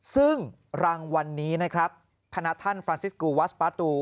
ซึ่งรางวัลนี้นะครับคณะท่านฟรานซิสกูวัสปาตู